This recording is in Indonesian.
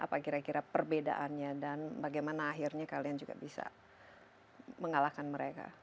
apa kira kira perbedaannya dan bagaimana akhirnya kalian juga bisa mengalahkan mereka